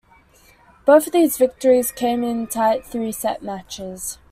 Both of these victories came in tight three-set matches.